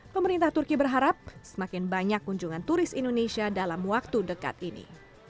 pemerintah turki berharap semakin banyak kunjungan turis indonesia dalam waktu dekat ini